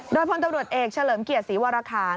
โดยพลตำรวจเอกเฉลิมเกียรติศรีวรคา